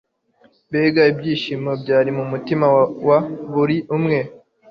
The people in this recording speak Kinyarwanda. Mbega ibyishimo byari mu mutima wa buri umwe